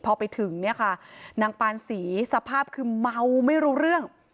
พอไปถึงเนี่ยค่ะนางปานศรีสภาพคือเมาไม่รู้เรื่อง